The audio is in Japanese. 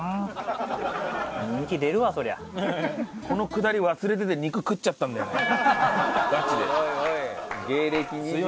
このくだり忘れてて肉食っちゃったんだよね。